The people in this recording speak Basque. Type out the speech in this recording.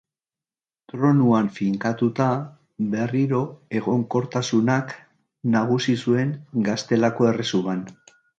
Tronuan finkatuta, berriro egonkortasunak nagusi zuen Gaztelako Erresuman.